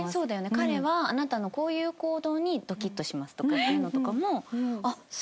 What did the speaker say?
「彼はあなたのこういう行動にドキッとします」とかっていうのとかもあっそうなんだと。